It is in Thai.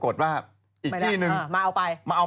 เพราะว่าตอนนี้ก็ไม่มีใครไปข่มครูฆ่า